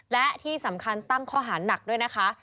และที่สำคัญตั้งข้อหาหนักด้วยนะคะ